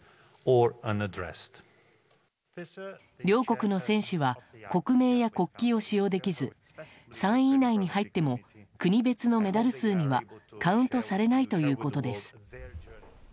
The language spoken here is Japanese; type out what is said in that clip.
両国の選手は国名や国旗を使用できず３位以内に入っても国別のメダル数にはカウントされないということです。